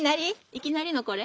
いきなりのこれ？